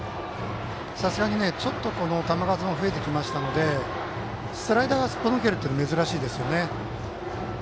さすがに球数も増えてきましたのでスライダーがすっぽ抜けるというのは珍しいですよね。